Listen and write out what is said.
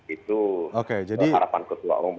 itu harapan ketua umum